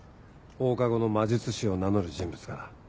放課後の魔術師を名乗る人物から。